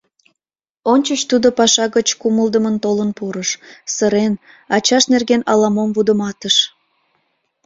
Ончыч тудо паша гыч кумылдымын толын пурыш, сырен, ачашт нерген ала-мом вудыматыш.